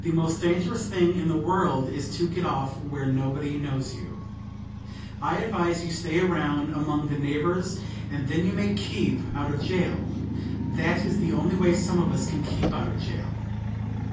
The most dangerous thing in the world is to get off where nobody knows you. I advise you to stay around among the neighbors, and then you may keep out of jail. That is the only way some of us can keep out of jail."